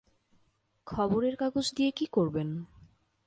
খবরের কাগজ দিয়ে কী করবেন?